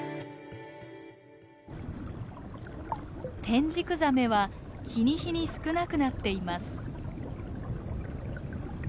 テンジクザメは日に日に少なくなっています。